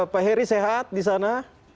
pak heri sehat di sana